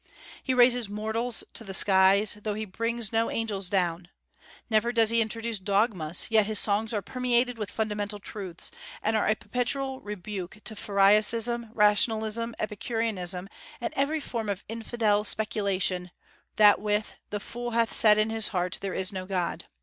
He raises mortals to the skies, though he brings no angels down. Never does he introduce dogmas, yet his songs are permeated with fundamental truths, and are a perpetual rebuke to pharisaism, rationalism, epicureanism, and every form of infidel speculation that with "the fool hath said in his heart, There is no God."